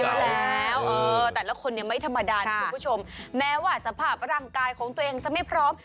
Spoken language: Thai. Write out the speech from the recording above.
ใช่แล้วเออแต่ละคนเนี่ยไม่ธรรมดานะคุณผู้ชมแม้ว่าสภาพร่างกายของตัวเองจะไม่พร้อม